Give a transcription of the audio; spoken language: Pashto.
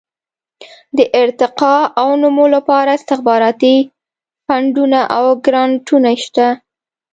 د ارتقاء او نمو لپاره استخباراتي فنډونه او ګرانټونه شته.